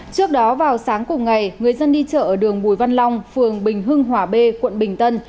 trước đó vào sáng cùng ngày người dân đi chợ ở đường bùi văn long phường bình hưng hòa b quận bình tân